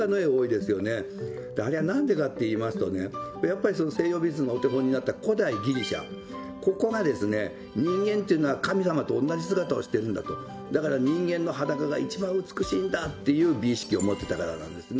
であれはなんでかっていいますとねやっぱり西洋美術のお手本になった古代ギリシャここがですね人間っていうのは神様とおんなじ姿をしてるんだとだから人間の裸がいちばん美しいんだっていう美意識を持ってたからなんですね。